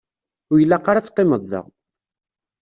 Ur ilaq ara ad teqqimeḍ da.